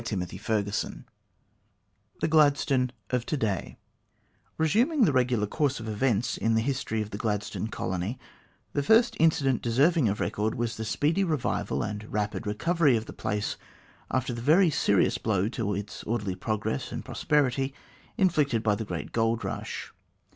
CHAPTER XV THE GLADSTONE OF TO DAY RESUMING the regular course of events in the history of the Gladstone colony, the first incident deserving of record was the speedy revival and rapid recovery of the place after the very serious blow to its orderly progress and prosperity, inflicted by the great gold rush.